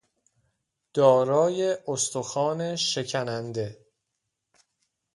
دارای استخوان شکننده